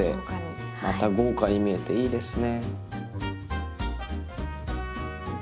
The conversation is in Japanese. また豪華に見えていいですね。